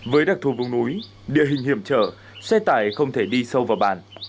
với đặc thù vùng núi địa hình hiểm trở xe tải không thể đi sâu vào bàn